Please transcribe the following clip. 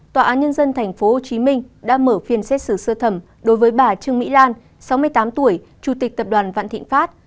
tòa án nhân dân tp hcm đã mở phiên xét xử sơ thẩm đối với bà trương mỹ lan sáu mươi tám tuổi chủ tịch tập đoàn vạn thịnh pháp